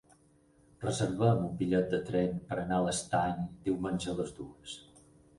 Reserva'm un bitllet de tren per anar a l'Estany diumenge a les dues.